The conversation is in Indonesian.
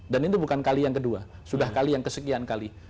itu bukan kali yang kedua sudah kali yang kesekian kali